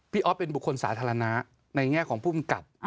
ออฟเป็นบุคคลสาธารณะในแง่ของภูมิกับ